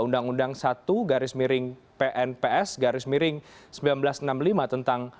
undang undang satu garis miring pnps garis miring seribu sembilan ratus enam puluh lima tentang